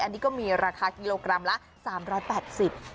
อันนี้ก็มีราคากิโลกรัมละ๓๘๐บาท